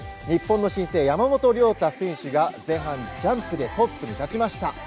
日本の新星、山本涼太選手が、前半、ジャンプでトップに立ちました。